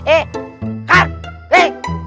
eh kan eh